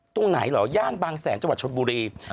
ตรงไหนเหรอย่านบางแสนจังหวัดชนบุรี